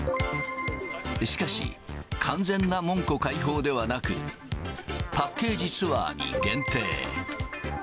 しかし、完全な門戸開放ではなく、パッケージツアーに限定。